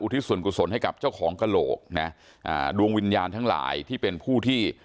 ทิศส่วนกุศลให้กับเจ้าของกระโหลกนะอ่าดวงวิญญาณทั้งหลายที่เป็นผู้ที่